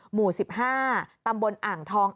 หมู่๑๕ตำบลอ่างทอง